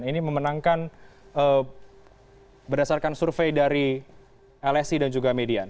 ini memenangkan berdasarkan survei dari lsi dan juga median